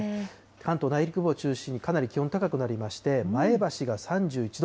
関東内陸部を中心にかなり気温、高くなりまして、前橋が３１度。